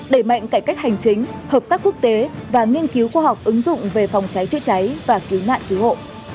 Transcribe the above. đẩy mạnh cải cách hành chính hợp tác quốc tế và nghiên cứu khoa học ứng dụng về phòng cháy chữa cháy và cứu nạn cứu hộ